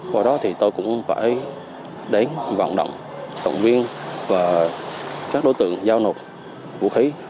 vào đó thì tôi cũng phải đến vận động tổng viên và các đối tượng giao nộp vũ khí